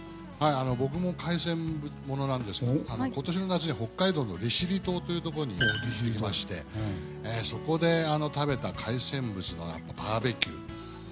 僕も海鮮ものなんですけど今年の夏に北海道の利尻島というところに行きましてそこで食べた海産物のバーベキュー。